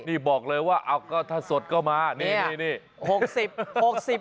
นี่บอกเลยว่าก็ถ้าสดก็มานี่